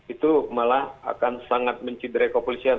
itu malah akan sangat menciderai kepolisian